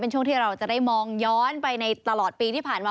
ช่วงที่เราจะได้มองย้อนไปในตลอดปีที่ผ่านมา